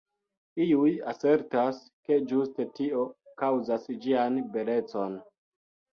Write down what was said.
Iuj asertas, ke ĝuste tio kaŭzas ĝian belecon.